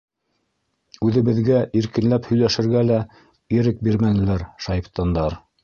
Үҙебеҙгә иркенләп һөйләшергә лә ирек бирмәнеләр, шайтандар.